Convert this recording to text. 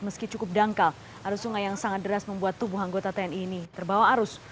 meski cukup dangkal arus sungai yang sangat deras membuat tubuh anggota tni ini terbawa arus